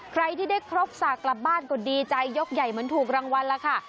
ใครที่ได้ครบสากกลับบ้านก็ดีใจยกใหญ่เหมือนถูกรางวัลแล้วค่ะ